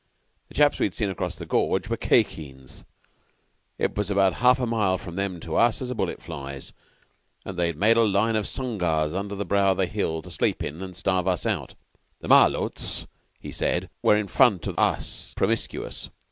The chaps we'd seen across the gorge were Khye Kheens. It was about half a mile from them to us as a bullet flies, and they'd made a line of sungars under the brow of the hill to sleep in and starve us out. The Malôts, he said, were in front of us promiscuous.